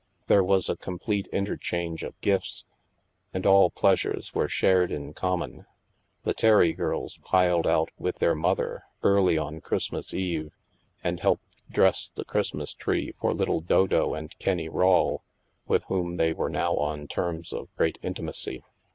There was a complete interchange of gifts, and all pleasures were shared in common. The Terry girls piled out with their mother, early on Christmas Eve, and helped dress the Christmas tree for little Dodo and Kennie Rawle, with whom they were now on terms of great intimacy.